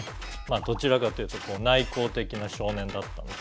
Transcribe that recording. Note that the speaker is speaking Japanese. どちらかというと内向的な少年だったんです。